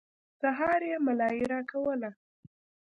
سهار يې ملايي راکوله.